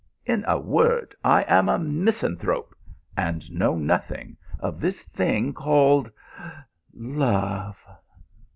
In a word, I am a misanthrope, and know nothing of this thing called love."